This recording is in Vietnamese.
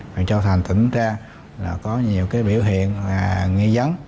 và cho thành tỉnh ra là có nhiều cái biểu hiện là nghi dấn